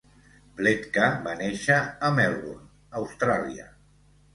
Pletka va néixer a Melbourne, Austràlia.